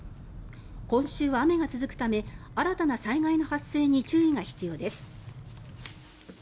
今週は雨が続くため新たな災害の発生に注意が必要です。